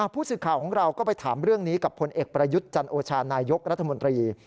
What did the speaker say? ผู้สื่อข่าวของเราก็ไปถามเรื่องนี้กับผลเอกประยุทธ์จันโอชานายกรัฐมนตรี